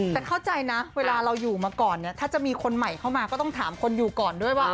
แต่เข้าใจนะเวลาเราอยู่มาก่อนเนี่ยถ้าจะมีคนใหม่เข้ามาก็ต้องถามคนอยู่ก่อนด้วยว่า